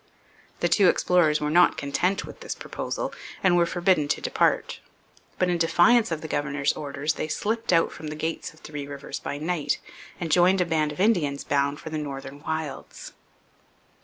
The two explorers were not content with this proposal and were forbidden to depart; but in defiance of the governor's orders they slipped out from the gates of Three Rivers by night and joined a band of Indians bound for the northern wilds.